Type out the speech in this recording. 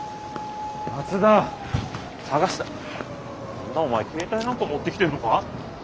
何だお前携帯なんか持ってきてんのか？